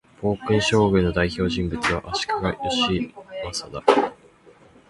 暴君将軍の代表人物は、足利義教だ